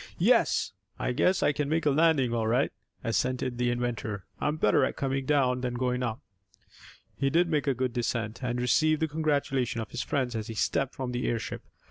"Yes. I guess I can make a landing all right," assented the inventor. "I'm better at coming down than going up." He did make a good descent, and received the congratulation of his friends as he stepped from the airship.